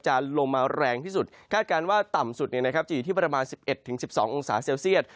ลงมาแรงที่สุดคาดการณ์ว่าต่ำสุดจะอยู่ที่ประมาณ๑๑๑๒องศาเซลเซียต